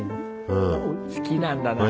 好きなんだな。